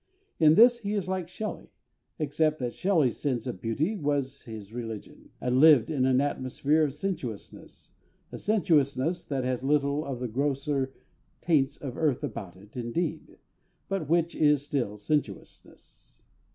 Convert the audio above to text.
In this he is like SHELLEY, except that SHELLEY'S sense of beauty was his religion, and lived in an atmosphere of sensuousness, a sensuousness that has little of the grosser taints of earth about it indeed, but which is still sensuousness.